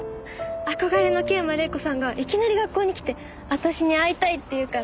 憧れの桂馬麗子さんがいきなり学校に来て私に会いたいって言うから。